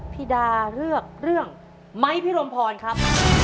พี่ดาเลือกเรื่องไม้พิรมพรครับ